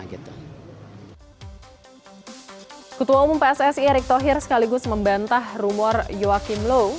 ketua umum pssi erik thohir sekaligus membantah rumor joakim low